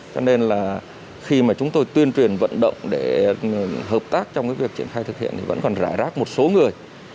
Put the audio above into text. cho nên là khi mà chúng tôi tuyên truyền vận động để hợp tác trong cái việc triển khai thực hiện thì vẫn còn rải rác một số người